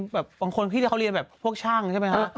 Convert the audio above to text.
บางคนพี่ที่เขาเรียนแบบพวกช่างใช่ไหมฮะ